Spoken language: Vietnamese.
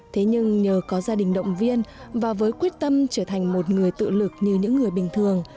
thế nhưng nhờ có gia đình động viên và với quyết tâm trở thành một người tự lực như những người bình thường